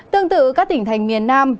tương tự các tỉnh thành miền nam